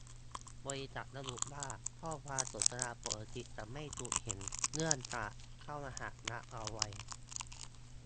บริษัทระบุว่า ข้อความสนทนาปกติจะไม่ถูกเห็น เนื่องจากเข้ารหัสลับเอาไว้